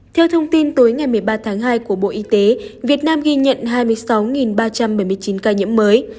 theo thông tin tối ngày một mươi ba tháng hai của bộ y tế việt nam ghi nhận hai mươi sáu ba trăm bảy mươi chín ca nhiễm mới